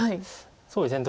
そうですね